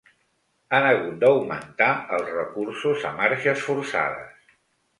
Han hagut d’augmentar els recursos a marxes forçades.